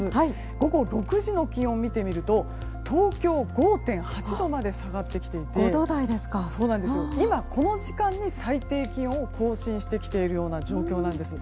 午後６時の気温を見てみると東京５．８度まで下がってきていて今、この時間に最低気温を更新してきている状況なんです。